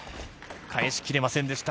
返しきれませんでした。